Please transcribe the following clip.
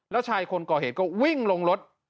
แล้วชายคนก่อเหตุก็วิ่งลงรถ